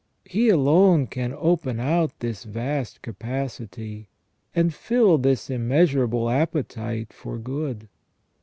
He alone can open out this vast capacity, and fill this immeasurable appetite for good.